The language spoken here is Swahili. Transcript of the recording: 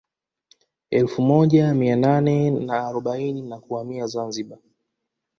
Elfu moja mia nane na arobaini na kuhamia Zanzibar